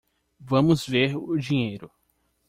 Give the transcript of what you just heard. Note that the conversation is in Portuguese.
Vamos ver o dinheiro.